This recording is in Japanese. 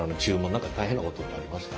何か大変なことってありました？